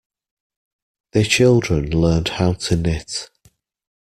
The children learned how to knit.